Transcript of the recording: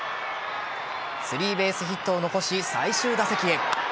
スリーベースヒットを残し最終打席へ。